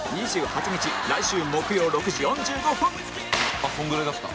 あっこのぐらいだった。